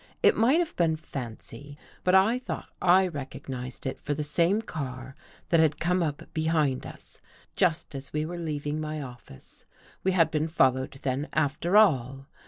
It might have been fancy, but I thought I recognized it for the same car that had come up behind us just as we were leaving my office. We had been fol lowed then, after all.